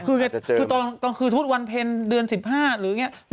คือตอนกลางคืนสมมุติวันเพ็ญเดือน๑๕หรืออย่างนี้